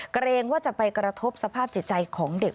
เกรงว่าจะไปกระทบสภาพจิตใจของเด็ก